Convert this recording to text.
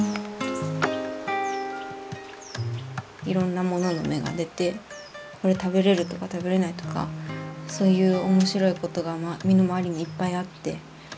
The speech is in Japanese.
いろんなものの芽が出てこれ食べれるとか食べれないとかそういう面白いことが身の回りにいっぱいあって。